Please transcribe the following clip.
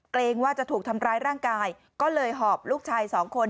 เกรงว่าจะถูกทำร้ายร่างกายก็เลยหอบลูกชายสองคน